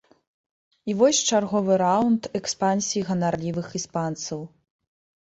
І вось чарговы раунд экспансіі ганарлівых іспанцаў.